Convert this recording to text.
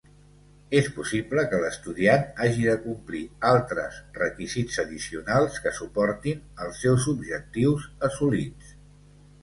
És possible que l'estudiant hagi de complir altres requisits addicionals que suportin els seus objectius assolits.